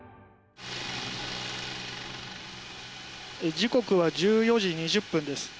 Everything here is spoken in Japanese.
時刻は１４時２０分です。